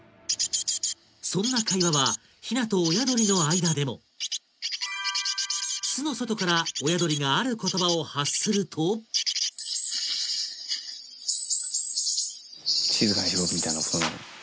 そんな会話はヒナと親鳥の間でも巣の外から親鳥がある言葉を発すると静かにしろみたいなことなの？